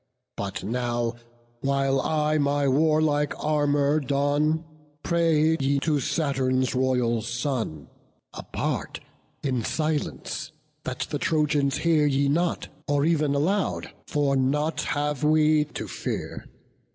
But now, while I my warlike armour don, Pray ye to Saturn's royal son, apart, In silence, that the Trojans hear ye not; Or ev'n aloud, for nought have we to fear.